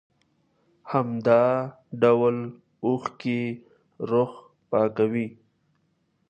همدا ډول اوښکې روح پاکوي.